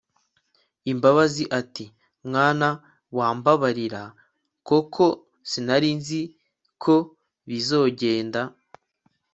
imbabazi atiMwana wa mbabarira koko sinarinziko bizogenda